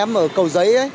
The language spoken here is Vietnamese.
em ở cầu giấy ấy